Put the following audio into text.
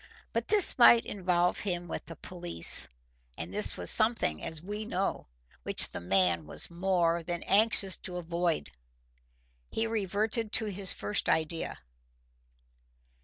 But this might involve him with the police, and this was something, as we know, which he was more than anxious to avoid. He reverted to his first idea.